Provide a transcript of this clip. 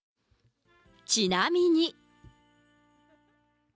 ちなみに。